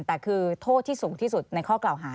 แต่คือโทษที่สูงที่สุดในข้อกล่าวหา